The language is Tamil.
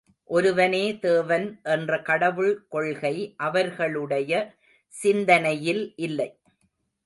ஒருவனே தேவன் என்ற கடவுள் கொள்கை அவர்களுடைய சிந்தனையில் இல்லை.